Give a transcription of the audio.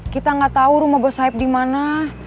kita gak tahu rumah bos saip di mana